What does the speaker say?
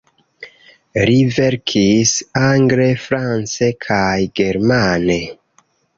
Li verkis angle, france kaj germane.